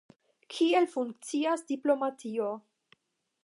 Kiel funkcias diplomatio.